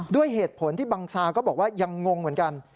ด้วยเหตุผลที่บังซาก็บอกว่ายังงงเหมือนกัน